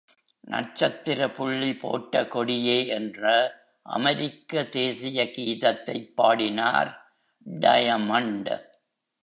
நட்சத்திர புள்ளி போட்ட கொடியே என்ற அமெரிக்க தேசீய கீதத்தைப் பாடினார் டயமண்ட்.